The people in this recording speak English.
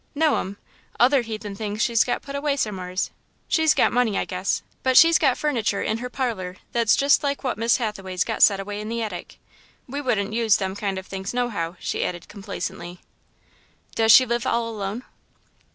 "No'm. Other heathen things she's got put away somewheres. She's got money, I guess, but she's got furniture in her parlour that's just like what Miss Hathaway's got set away in the attic. We wouldn't use them kind of things, nohow," she added complacently. "Does she live all alone?"